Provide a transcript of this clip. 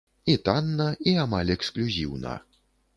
І танна, і амаль эксклюзіўна.